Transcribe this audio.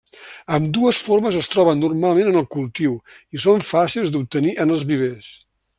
Ambdues formes es troben normalment en el cultiu i són fàcils d'obtenir en els vivers.